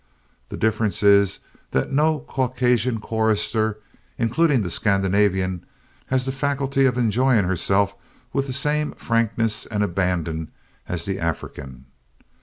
The difference is that no Caucasian chorister, including the Scandinavian, has the faculty of enjoying herself with the same frankness and abandon as the African.